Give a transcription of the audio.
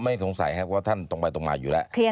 สงสัยครับว่าท่านตรงไปตรงมาอยู่แล้ว